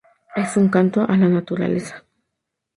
Es un canto a la naturaleza.